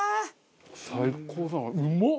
最高だあうまっ！